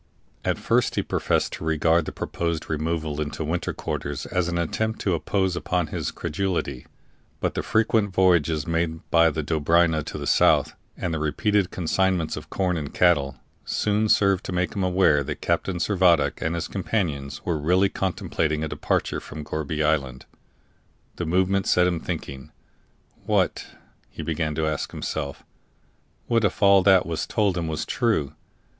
At first he professed to regard the proposed removal into winter quarters as an attempt to impose upon his credulity; but the frequent voyages made by the Dobryna to the south, and the repeated consignments of corn and cattle, soon served to make him aware that Captain Servadac and his companions were really contemplating a departure from Gourbi Island. The movement set him thinking. What, he began to ask himself what if all that was told him was true?